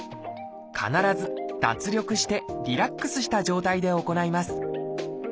必ず脱力してリラックスした状態で行います。